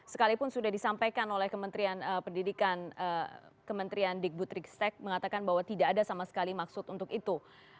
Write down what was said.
sekalipun sudah disampaikan oleh kementerian pendidikan kementerian dikbut rigstek mengatakan bahwa tidak ada sama sekali maksud untuk itu